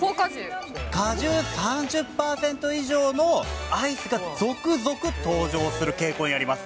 果汁３０％以上のアイスが続々登場する傾向にあります。